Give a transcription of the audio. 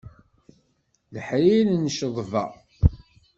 Leḥrir n cceḍba.